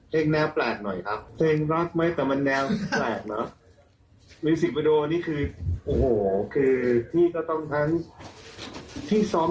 เพลงแนวแปลกหน่อยครับเพลงรักไหม